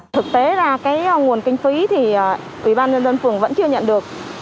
thực tế là cái nguồn kinh phí thì ủy ban nhân dân phường vẫn chưa nhận được